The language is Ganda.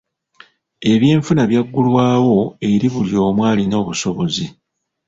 Ebyenfuna byaggulwawo eri buli omu alina obusobozi.